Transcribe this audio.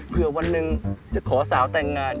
เพื่อวันหนึ่งจะขอสาวแต่งงาน